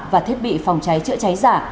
và thiết bị phòng cháy chữa cháy giả